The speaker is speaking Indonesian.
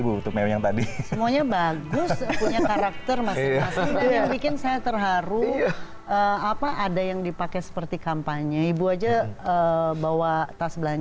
berarti apa berarti apa berarti apa berarti apa berarti apa berarti apa berarti apa berarti luego berarti select